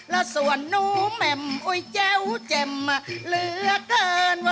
แล้วส่วนหนูแหม่มอุ๋ยแจ้วแจ่มเหลือเกิน